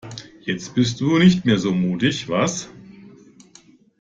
Jetzt bist du nicht mehr so mutig, was?